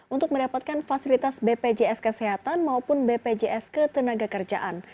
untuk mendapatkan fasilitas bpjs kesehatan maupun bpjs ketenagakerjaan